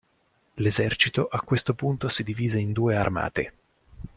L'esercito a questo punto si divise in due armate.